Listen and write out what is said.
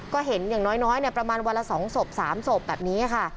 ก็เห็นอย่างน้อยประมาณวันละ๒ศพ๓ศพแบบนี้ค่ะ